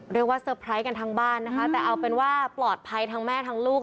เรียกว่าเซอร์ไพรส์กันทั้งบ้านนะเอาเป็นว่าปลอดภัยแม่ทั้งลูก